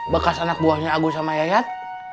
bekas anak buahnya agus sama yayat